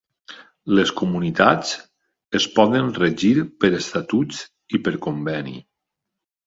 Les comunitats es poden regir per Estatuts i per Conveni.